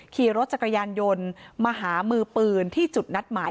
ขี่รถจักรยานยนต์มาหามือปืนที่จุดนัดหมาย